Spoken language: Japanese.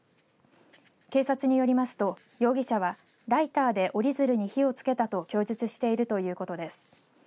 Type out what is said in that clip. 警察によりますと容疑者はライターで折り鶴に火をつけたと供述しているということです。